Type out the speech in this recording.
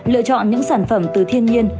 lựa chọn những sản phẩm từ thiên nhiên